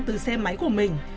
từ xe máy của mình